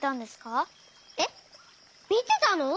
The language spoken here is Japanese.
えっみてたの？